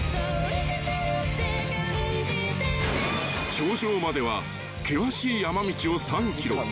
［頂上までは険しい山道を３ｋｍ］